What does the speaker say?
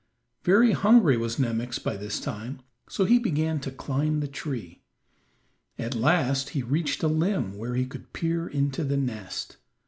Very hungry was Nemox by this time, so he began to climb the tree. At last he reached a limb where he could peer into the nest.